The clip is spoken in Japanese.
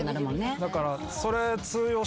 だから。